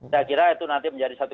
saya kira itu nanti menjadi satu